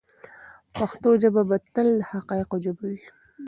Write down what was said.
پښتو ژبه به تل د حقایقو ژبه وي.